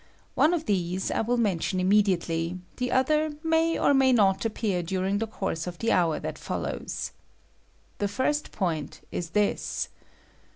One of these I will mention immediately ; the other may or may not appear during the course of the hour that follows. The first point is this.